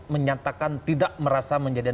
menyatakan tidak merasa menjadikan